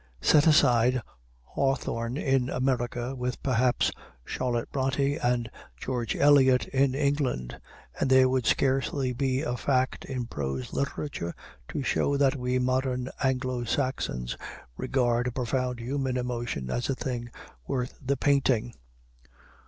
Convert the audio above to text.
Set aside Hawthorne in America, with perhaps Charlotte Brontë and George Eliot in England, and there would scarcely be a fact in prose literature to show that we modern Anglo Saxons regard a profound human emotion as a thing worth the painting.